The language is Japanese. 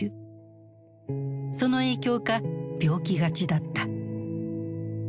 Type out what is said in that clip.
その影響か病気がちだった。